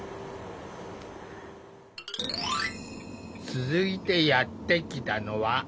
続いてやって来たのは四国